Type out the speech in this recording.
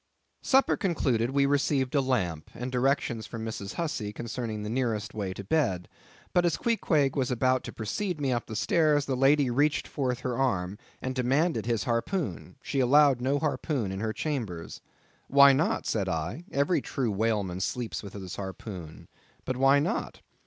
Supper concluded, we received a lamp, and directions from Mrs. Hussey concerning the nearest way to bed; but, as Queequeg was about to precede me up the stairs, the lady reached forth her arm, and demanded his harpoon; she allowed no harpoon in her chambers. "Why not?" said I; "every true whaleman sleeps with his harpoon—but why not?"